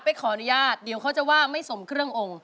ขออนุญาตเดี๋ยวเขาจะว่าไม่สมเครื่ององค์